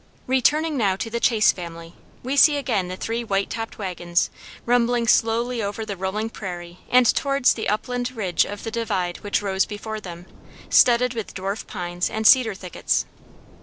Returning now to the Chase family, we see again the three white topped wagons rumbling slowly over the rolling prairie and towards the upland ridge of the divide which rose before them, studded with dwarf pines and cedar thickets.